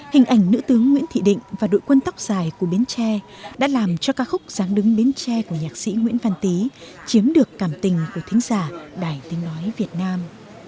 hình ảnh nữ tướng nguyễn thị định và đội quân tóc dài của bến tre đã làm cho ca khúc giáng đứng bến tre của nhạc sĩ nguyễn văn tý chiếm được cảm tình của thính giả đài tính nói việt nam